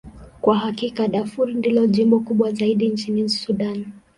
Kwa hakika, Darfur ndilo jimbo kubwa zaidi nchini Sudan.